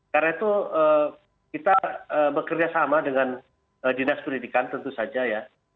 karena itu kita bekerja sama dengan dinas pendidikan tentu saja ya